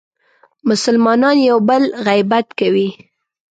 مسلمانان یو بل غیبت کوي.